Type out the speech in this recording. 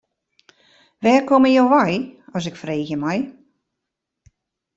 Wêr komme jo wei as ik freegje mei.